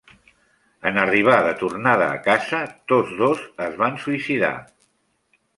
En arribar de tornada a casa, tots dos es van suïcidar.